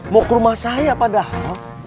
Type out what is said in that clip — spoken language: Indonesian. mau ke rumah saya padahal